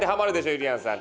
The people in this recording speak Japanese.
ゆりやんさん